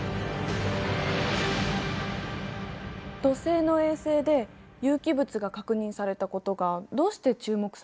土星の衛星で有機物が確認されたことがどうして注目されたの？